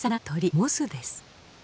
モズです。